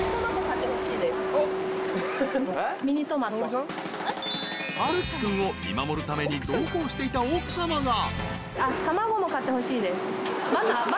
［ハルキ君を見守るために同行していた奥さまが］